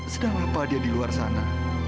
sedang apa dia di luar sana